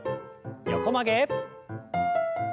横曲げ。